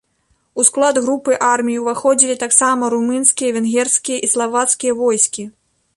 У склад групы армій уваходзілі таксама румынскія, венгерскія і славацкія войскі.